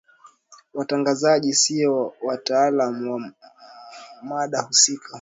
watangazaji siyo wataalamu wa mada husika